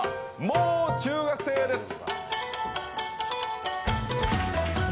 もう中学生です。